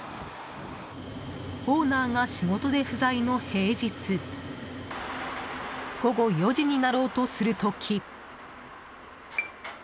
オーナーが仕事で不在の平日午後４時になろうとする時。